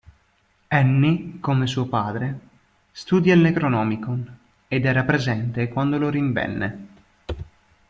Annie, come suo padre, studia il Necronomicon ed era presente quando lo rinvenne.